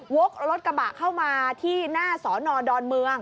รถกระบะเข้ามาที่หน้าสอนอดอนเมือง